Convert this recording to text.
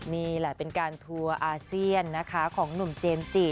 นี่แหละเป็นการทัวร์อาเซียนนะคะของหนุ่มเจมส์จิ